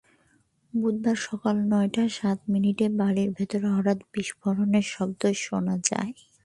বুধবার সকাল নয়টা সাত মিনিটে বাড়ির ভেতরে হঠাৎ বিস্ফোরণের শব্দ শোনা যায়।